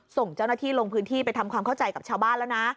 ส่งเจ้าหน้าที่ลงพื้นที่ไปทำความเข้าใจกับชาวบ้านแล้วนะ